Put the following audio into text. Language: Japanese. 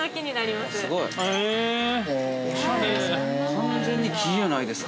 ◆完全に木やないですか。